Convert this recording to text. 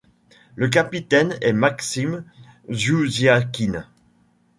Le capitaine est Maksim Ziouziakine.